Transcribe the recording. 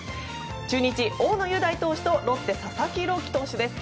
中日、大野雄大投手とロッテ、佐々木朗希投手です。